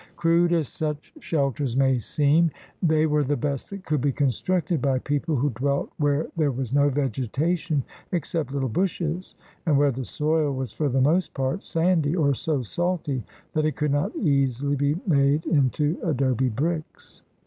Crude as such shelters may seem, they were THE RED MAN IN AlVIERICA 145 the best that could be constructed by people who dwelt where there was no vegetation except little bushes, and where the soil was for the most part sandy or so salty that it could not easily be made into adobe bricks.